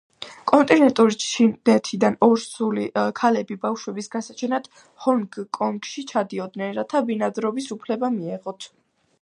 კონტინენტური ჩინეთიდან ორსული ქალები ბავშვების გასაჩენად ჰონგ-კონგში ჩადიოდნენ, რათა ბინადრობის უფლება მიეღოთ.